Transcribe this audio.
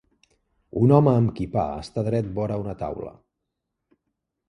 Un home amb quipà està dret vora una taula.